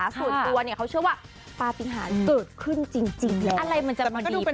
ส่วนตัวเนี่ยเขาเชื่อว่าประพิหารเกิดขึ้นจริงอะไรมันจะดีเป็น